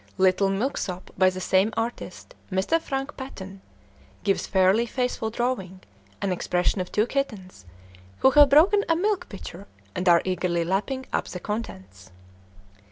"Little Milksop" by the same artist, Mr. Frank Paton, gives fairly faithful drawing and expression of two kittens who have broken a milk pitcher and are eagerly lapping up the contents.